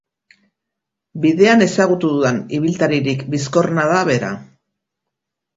Bidean ezagutu dudan ibiltaririk bizkorrena da bera.